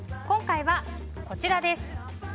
今回は、こちらです。